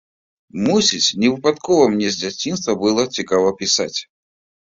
Мусіць, невыпадкова мне з дзяцінства было цікава пісаць.